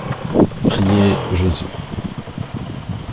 Prier Jésus.